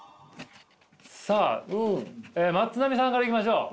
さあまつなみさんからいきましょう。